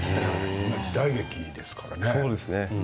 時代劇ですからね。